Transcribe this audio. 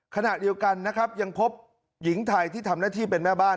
ขณะเดียวกันนะครับยังพบหญิงไทยที่ทำหน้าที่เป็นแม่บ้าน